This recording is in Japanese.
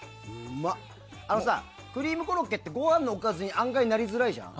あのさ、クリームコロッケってご飯のおかずに案外なりづらいじゃん。